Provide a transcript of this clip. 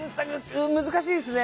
難しいですね。